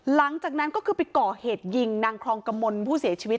หลังจากนั้นก็คือไปก่อเหตุยิงนางครองกมลผู้เสียชีวิต